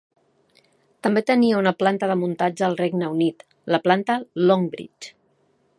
També tenia una planta de muntatge al Regne Unit, la planta Longbridge.